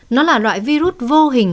nó là loại virus vô hình